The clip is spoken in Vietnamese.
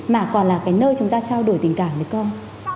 mà còn là cái nơi chúng ta trao đổi tình cảm với con